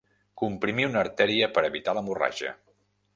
Comprimir una artèria per evitar l'hemorràgia.